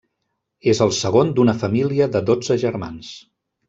És el segon d'una família de dotze germans.